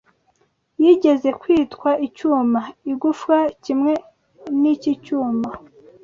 yigeze kwitwa icyuma-igufwa kimwe n'iki cyuma